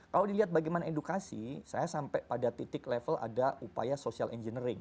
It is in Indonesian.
kalau dilihat bagaimana edukasi saya sampai pada titik level ada upaya social engineering